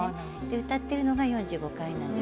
歌っているのが４５回なんです。